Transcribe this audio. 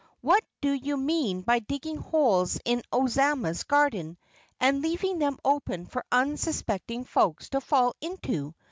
What do you mean by digging holes in Ozma's garden and leaving them open for unsuspecting folks to fall into?